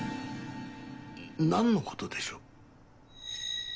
何のことでしょう？